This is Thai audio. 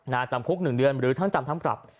จำคุก๑เดือนหรือทั้งจำทั้งปรับ